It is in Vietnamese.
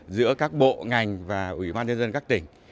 giữa các bộ ngành và ủy ban nhân dân các tỉnh